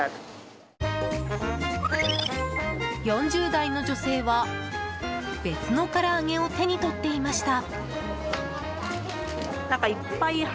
４０代の女性は別のから揚げを手に取っていました。